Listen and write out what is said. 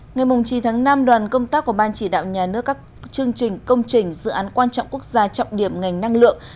ngày chín tháng năm đoàn công tác của ban chỉ đạo nhà nước các chương trình công trình dự án quan trọng quốc gia trọng điểm ngành năng lượng